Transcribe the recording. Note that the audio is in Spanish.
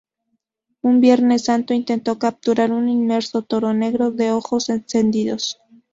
Un Viernes Santo, intentó capturar un inmenso toro negro de ojos encendidos.